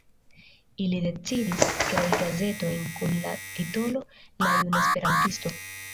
Ili decidis krei gazeton kun la titolo La juna esperantisto.